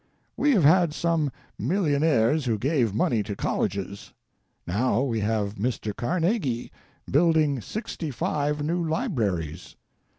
We have had some millionaires who gave money to colleges. Now we have Mr. Carnegie building sixty five new libraries.